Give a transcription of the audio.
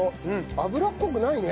油っこくないね。